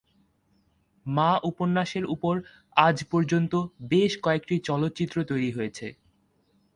মা উপন্যাসের উপর আজ পর্যন্ত বেশ কয়েকটি চলচ্চিত্র তৈরি হয়েছে।